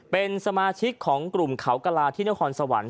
เป็นสมาชิกของกลุ่มเขากระลาที่นครสวรรค์